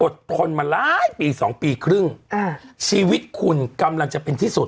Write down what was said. ทนมาหลายปีสองปีครึ่งอ่าชีวิตคุณกำลังจะเป็นที่สุด